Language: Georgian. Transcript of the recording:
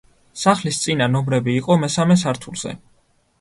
სახლის წინა ნომრები იყო მესამე სართულზე.